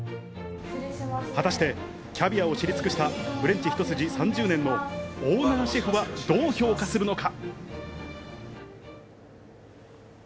果たして、キャビアを知り尽くしたフレンチひと筋３０年のオーナーシェフはどう評価するのか。